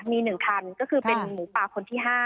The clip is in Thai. มี๑คันก็คือเป็นหมูป่าคนที่๕